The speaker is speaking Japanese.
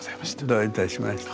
どういたしまして。